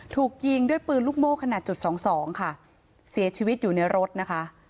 ถูกยิงด้วยปืนลูกโม่ขนาดจุดสองสองค่ะเสียชีวิตอยู่ในรถนะคะ